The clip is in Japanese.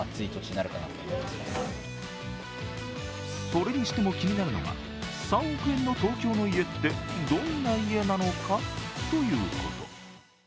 それにしても気になるのが、３億円の東京の家ってどんな家なのかということ。